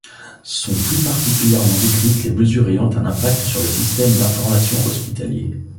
Sont plus particulièrement décrites les mesures ayant un impact sur le Système d’Information Hospitalier.